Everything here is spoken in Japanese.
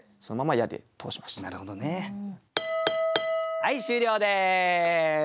はい終了です。